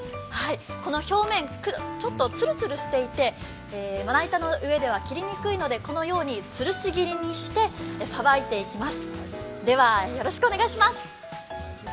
表面、ちょっとつるつるしていてまな板の上では切りにくいのでこのようにつるし切りにしてさばいていきます。